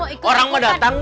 orang mau datang